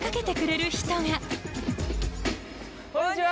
こんにちは！